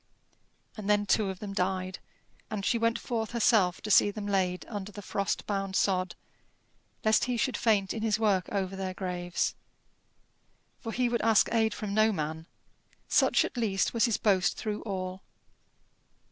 And then two of them died, and she went forth herself to see them laid under the frost bound sod, lest he should faint in his work over their graves. For he would ask aid from no man such at least was his boast through all.